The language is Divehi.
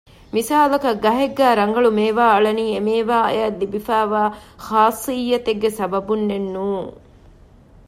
މިސާލަކަށް ގަހެއްގައި ރަނގަޅު މޭވާ އަޅަނީ އެ މޭވާ އަށް ލިބިފައިވާ ޚާޞިއްޔަތެއްގެ ސަބަބުންނެއް ނޫން